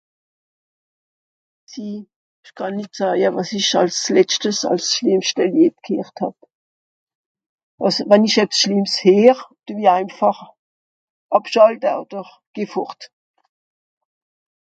sii esch kànn nìt sage wàs ich als s'letschte als s'schlìmmschte Lied g'heert hàb àss wann esch ebs schlìmm heer devi einfàch àbschàlte oder geh fort